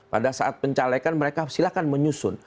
pada saat pencalekan mereka silahkan menyusun